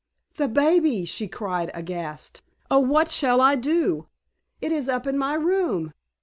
"The baby!" she cried, aghast. "Oh, what shall I do? It is up in my room!"